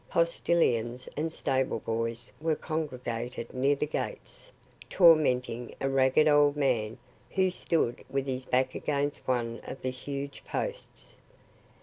Postillions and stable boys were congregated near the gates, tormenting a ragged old man who stood with his back against one of the huge posts.